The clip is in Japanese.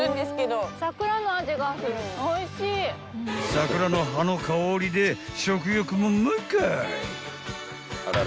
［桜の葉の香りで食欲も満開］